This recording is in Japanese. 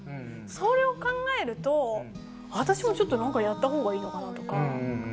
それを考えると私も何かやったほうがいいのかなとか。